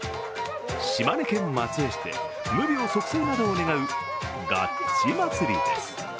島根県松江市で、無病息災などを願うガッチ祭りです。